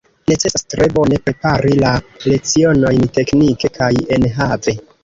Necesas tre bone prepari la lecionojn teknike kaj enhave.